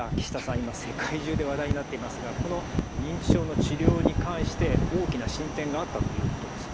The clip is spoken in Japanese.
今世界中で話題になっていますがこの認知症の治療に関して大きな進展があったということですね。